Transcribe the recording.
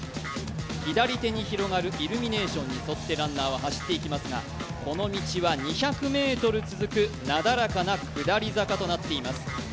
左手に広がるイルミネーションに沿ってランナーは走っていきますがこの道は２００ｍ続くなだらかな下り坂となっております。